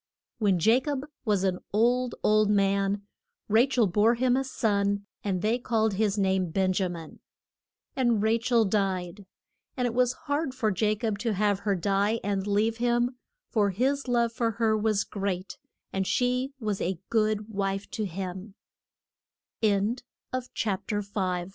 ] When Ja cob was an old, old man Ra chel bore him a son; and they called his name Ben ja min. And Ra chel died. And it was hard for Ja cob to have her die and leave him, for his love for her was great, and she was a g